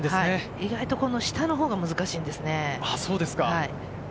意外と下からのほうが難しいんですね。